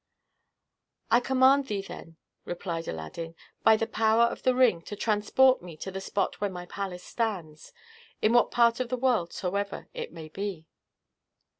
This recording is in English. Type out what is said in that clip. "I command thee, then," replied Aladdin, "by the power of the ring, to transport me to the spot where my palace stands, in what part of the world soever it may be."